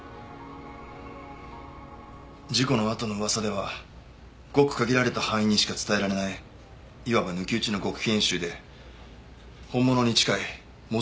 事故のあとの噂ではごく限られた班員にしか伝えられない言わば抜き打ちの極秘演習で本物に近い模造